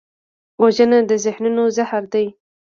وژنه د ذهنونو زهر دی